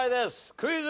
クイズ。